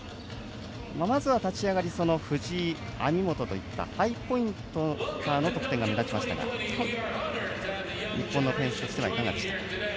まずは立ち上がり藤井、網本といったハイポインターの得点が目立ちましたが日本のオフェンスとしてはいかがでしたか？